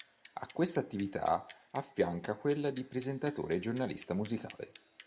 A questa attività affianca quella di presentatore e giornalista musicale.